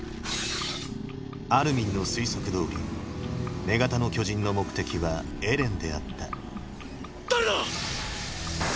アルミンの推測どおり女型の巨人の目的はエレンであった誰だ